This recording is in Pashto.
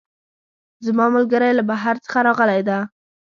زما ملګرۍ له بهر څخه راغلی ده